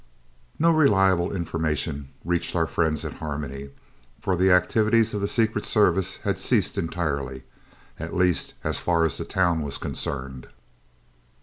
No reliable information reached our friends at Harmony, for the activities of the Secret Service had ceased entirely at least, as far as the town was concerned.